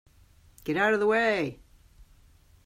Get out of the way!